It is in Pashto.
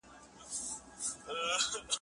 تمه او دمه